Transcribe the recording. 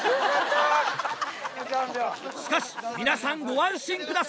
しかし皆さんご安心ください。